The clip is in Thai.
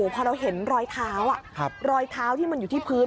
พอเราเห็นรอยเท้ารอยเท้าที่มันอยู่ที่พื้น